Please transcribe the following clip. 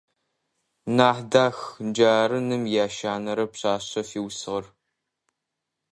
Нахьдах - джары ным иящэнэрэ пшъашъэ фиусыгъэр.